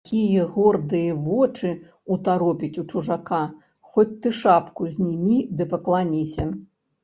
А такія гордыя вочы ўтаропіць у чужака, хоць ты шапку знімі ды пакланіся!